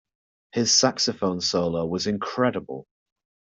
His saxophone solo was incredible.